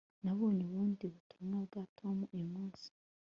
nabonye ubundi butumwa bwa tom uyu munsi